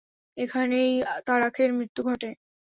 এখানেই তারাখের মৃত্যু ঘটে।